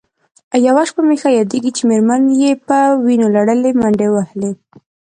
یوه شپه مې ښه یادېږي چې مېرمن یې په وینو لړلې منډې وهلې.